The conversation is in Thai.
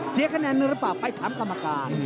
เสียคะแนนหนึ่งหรือเปล่าไปถามตามาการ